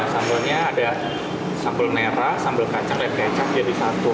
sambelnya ada sambel merah sambel kacang dan kecap jadi satu